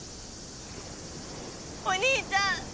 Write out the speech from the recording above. お兄ちゃん。